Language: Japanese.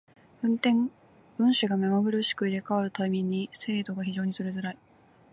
運手が目まぐるしく入れ替わる為に精度が非常に取りづらい。